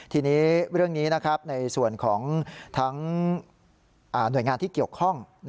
ทีนี้เรื่องนี้ในส่วนของทั้งหน่วยงานที่เกี่ยวข้อง